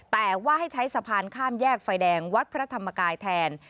แต่ว่าให้ใช้สะพานข้ามแยกไฟแดงวัดพระธรรมกายแทน